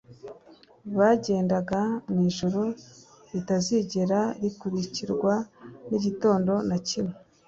bagendaga mu ijoro ritazigera rikurikirwa n'igitondo na kimwe.